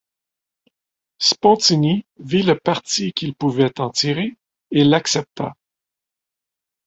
Spontini vit le parti qu'il pouvait en tirer et l'accepta.